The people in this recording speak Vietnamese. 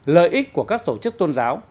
lợi ích của các tổ chức tôn giáo